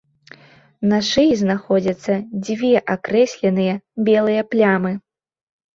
На шыі знаходзяцца два акрэсленыя белыя плямы.